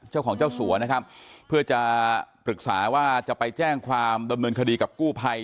เจ้าสัวนะครับเพื่อจะปรึกษาว่าจะไปแจ้งความดำเนินคดีกับกู้ภัย